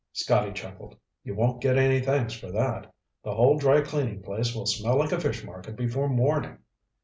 Scotty chuckled. "You won't get any thanks for that. The whole dry cleaning place will smell like a fish market before morning."